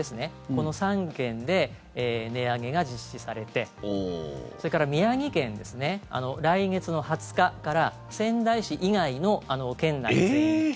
この３県で値上げが実施されてそれから宮城県来月２０日から仙台市以外の県内全域